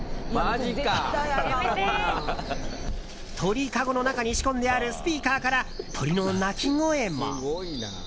鳥かごの中に仕込んであるスピーカーから鳥の鳴き声も。